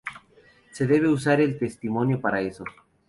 Se debe de usar el testimonio para eso.